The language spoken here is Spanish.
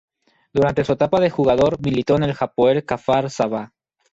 Durante su etapa de jugador militó en el Hapoel Kfar Saba.